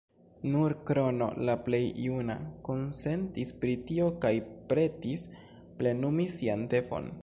Nur Krono, la plej juna, konsentis pri tio kaj pretis plenumi sian devon.